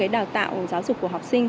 đào tạo giáo dục của học sinh